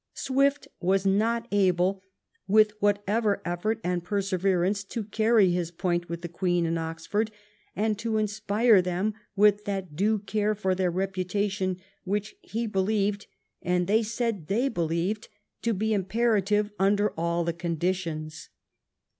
Swift was not able, with whatever eflFort and perse verance, to carry his point with the Queen and Oxford, and to inspire them with that due care for their, repu tation which he believed, and they said they believed, to be imperative under all the conditions.